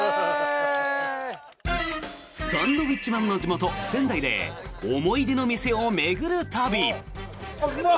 サンドウィッチマンの地元仙台で思い出の店を巡る旅。